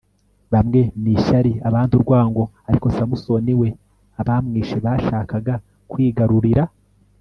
bamwe ni ishyari, abandi urwango ariko samson we abamwishe bashakaga kwigarurira